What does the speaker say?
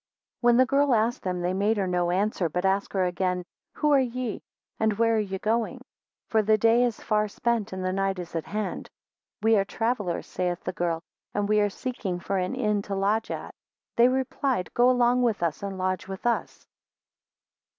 7 When the girl asked them, they made her no answer, but asked her again, Who are ye? and where are you going? For the day is far spent, and night is at hand. 8 We are travellers, saith the girl, and we are seeking for an inn to lodge at. 9 They replied, Go along with us, and lodge with us.